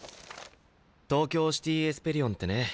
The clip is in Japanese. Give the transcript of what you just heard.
東京シティ・エスペリオンってね